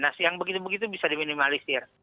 nah yang begitu begitu bisa diminimalisir